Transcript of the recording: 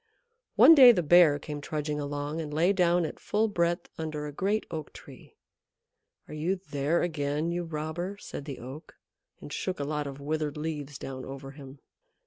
One day the Bear came trudging along and lay down at full breadth under a great Oak Tree, "Are you there again, you robber?" said the Oak, and shook a lot of withered leaves down over him.